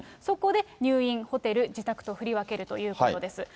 そこで入院、ホテル、自宅と振り分けるということです。